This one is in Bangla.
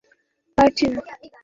তোমাকে কী বলব বুঝতে পারছি না।